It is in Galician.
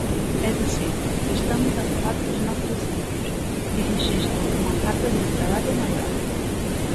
É dicir, estamos a falar dos macrocentros, que rexistran unha carga de traballo maior.